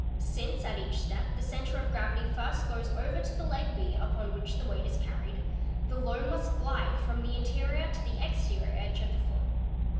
Since at each step the centre of gravity first goes over to the leg &B upon which the weight is carried, the load must glide from the interior to the exterior edge of the foot.